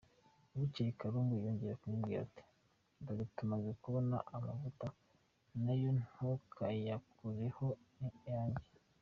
Bukeye Karungu yongera kumubwira, ati "Dore tumaze kubona amavuta, na yo ntukayakoreho ni ayanjye.